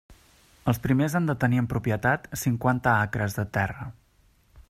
Els primers han de tenir en propietat cinquanta acres de terra.